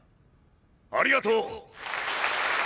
ありがとう！